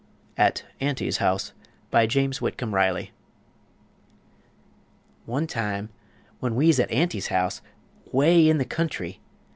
AT AUNTY'S HOUSE BY JAMES WHITCOMB RILEY One time, when we'z at Aunty's house 'Way in the country!